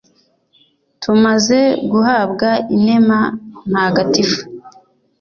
tumaze guhabwa inema ntagatifu